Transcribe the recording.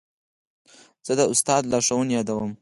زه د استاد لارښوونې یادوم.